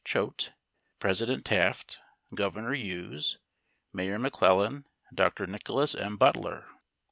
Choate, President Taft, Governor Hughes, Mayor McClellan and Dr. Nicholas M. Butler.